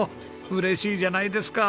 嬉しいじゃないですか。